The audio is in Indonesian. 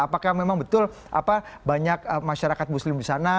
apakah memang betul banyak masyarakat muslim di sana